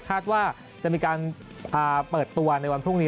คาดว่าจะมีการเปิดตัวในวันพรุ่งนี้